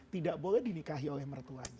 tidak boleh dinikahi oleh mertuanya